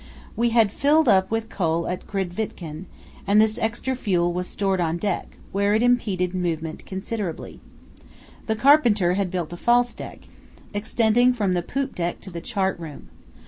We had filled up with coal at Grytviken, and this extra fuel was stored on deck, where it impeded movement considerably. The carpenter had built a false deck, extending from the poop deck to the chart room.